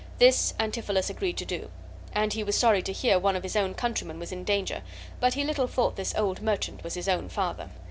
This Antipholus agreed to do, and he was sorry to hear one of his own countrymen was in this danger, but he little thought this old merchant was his own father.